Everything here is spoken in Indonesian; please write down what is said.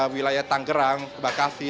wilayah tanggerang bakasi